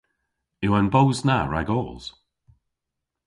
Yw an boos na ragos?